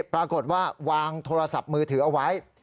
ปรากฏว่าวางโทรศัพท์มือถือเอาไว้